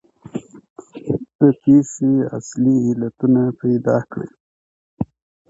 د پېښو اصلي علتونه پیدا کړئ.